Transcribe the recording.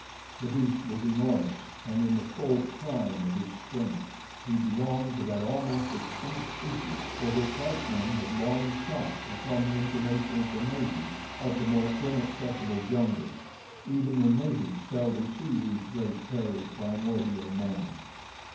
The beast was enormous, and in the full prime of his strength. He belonged to that almost extinct species for which white men have long sought upon the information of the natives of the more inaccessible jungles. Even the natives seldom see these great, hairy, primordial men.